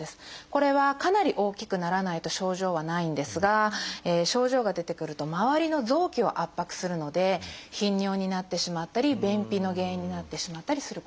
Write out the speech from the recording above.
これはかなり大きくならないと症状はないんですが症状が出てくると周りの臓器を圧迫するので頻尿になってしまったり便秘の原因になってしまったりすることがあります。